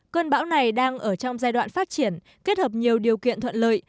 cơn bão này đang ở trong giai đoạn phát triển kết hợp nhiều điều kiện thuận lợi